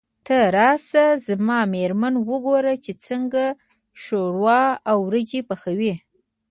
ته راشه زما مېرمن وګوره چې څنګه شوروا او وريجې پخوي.